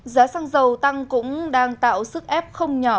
giá xăng dầu tăng cũng đang tạo sức ép không nhỏ